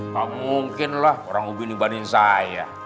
tak mungkin lah orang ubi dibandingin saya